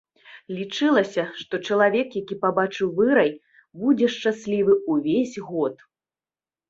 Лічылася, што чалавек, які пабачыў вырай, будзе шчаслівы ўвесь год.